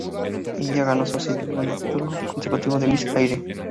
India ganó su segundo título consecutivo de Miss Aire.